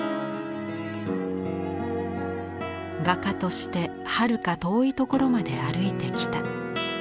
画家としてはるか遠い所まで歩いてきた。